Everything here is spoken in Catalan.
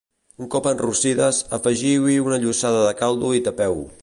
Un cop enrossides, afegiu-hi una llossada de caldo i tapeu-ho.